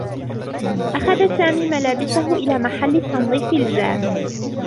أخذ سامي ملابسه إلى محلّ التّنظيف الجاف.